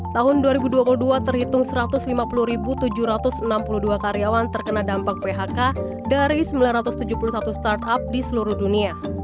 tahun dua ribu dua puluh dua terhitung satu ratus lima puluh tujuh ratus enam puluh dua karyawan terkena dampak phk dari sembilan ratus tujuh puluh satu startup di seluruh dunia